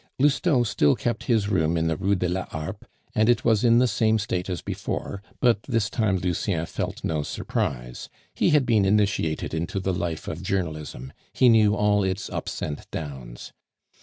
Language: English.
Lousteau still kept his room in the Rue de la Harpe; and it was in the same state as before, but this time Lucien felt no surprise; he had been initiated into the life of journalism; he knew all its ups and downs.